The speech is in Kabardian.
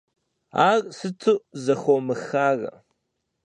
Ар сыту зэхомыхарэ?